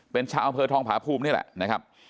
เป็นชาวอำเภอทองพาภูมินี่แหละ